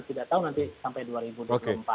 tidak tahu nanti sampai dua ribu dua puluh empat